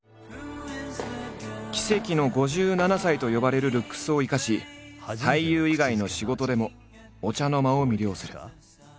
奇跡の５７歳と呼ばれるルックスを生かし俳優以外の仕事でもお茶の間を魅了する。